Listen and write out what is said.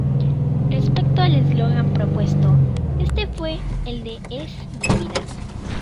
Respecto al eslogan propuesto, este fue el de "Es Navidad".